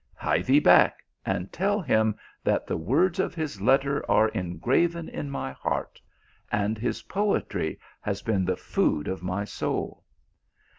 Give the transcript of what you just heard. Hie thee back, and tell him that the words of his letter are engraven in my heart, and his poetry has been the food of my soul.